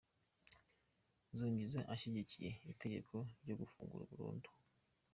Nzungize ashyigikiye itegeko ryo gufungwa burundu.